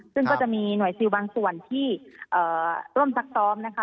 ซึ่งก็จะมีหน่วยซิลบางส่วนที่ร่วมซักซ้อมนะคะ